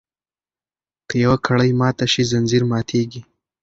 که یوه کړۍ ماته شي ځنځیر ماتیږي.